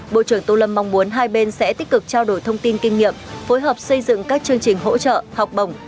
bộ trưởng tô lâm mong muốn hai bên sẽ tích cực trao đổi thông tin kinh nghiệm phối hợp xây dựng các chương trình hỗ trợ học bổng